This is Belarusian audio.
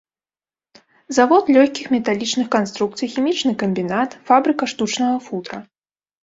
Завод лёгкіх металічных канструкцый, хімічны камбінат, фабрыка штучнага футра.